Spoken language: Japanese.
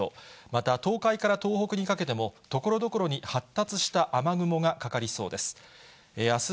また東海から東北にかけても、ところどころに発達した雨雲がかかりそうです。